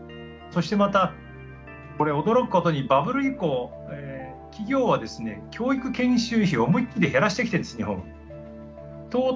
そしてまたこれは驚くことにバブル以降企業はですね教育研修費を思いっきり減らしてきてるんです日本は。